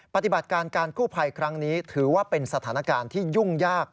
ปฏิบัติการการกู้ภัยครั้งนี้ถือว่าเป็นสถานการณ์ที่ยุ่งยาก